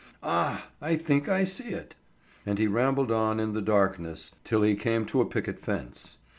"Ah! I think I see it!" And he rambled on in the darkness till he came to a picket fence.